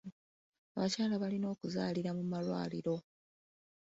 Abakyala balina okuzaalira mu malwaliro.